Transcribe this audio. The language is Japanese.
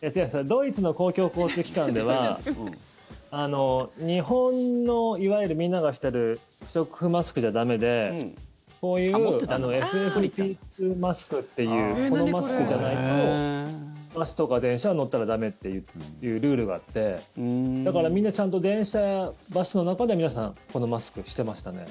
ドイツの公共交通機関では日本のいわゆるみんながしている不織布マスクじゃ駄目でこういうＦＦＰ２マスクっていうこのマスクじゃないとバスとか電車は乗ったら駄目っていうルールがあってだから、みんなちゃんと電車やバスの中では皆さんこのマスクをしていましたね。